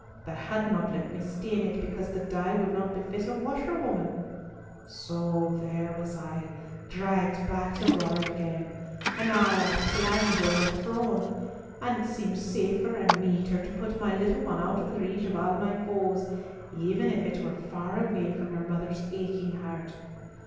They had not let me stain it, because the dye would not befit a washerwoman. So there was I dragged back to ward again, and all our plans overthrown. And it seemed safer and meeter to put my little one out of reach of all my foes, even if it were far away from her mother's aching heart.